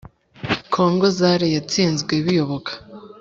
Congo Zare yatsinzwe biyoboka